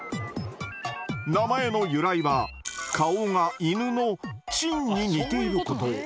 名前の由来は顔が犬の「狆」に似ていること。